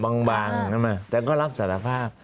มันก็บางนะครับแต่ก็รับสารภาพ